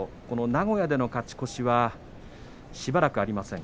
名古屋での勝ち越しはしばらくありません。